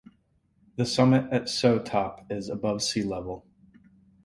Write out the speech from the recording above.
The summit at Sough Top is above sea level.